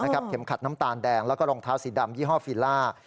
เข็มขัดน้ำตาลแดงแล้วก็รองเท้าสีดำยี่ห้อฟิล่า